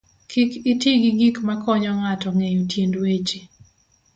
Kik iti gi gik m akonyo ng'ato ng'eyo tiend weche